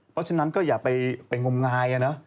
เพราะฉะนั้นก็อย่าไปงมงาย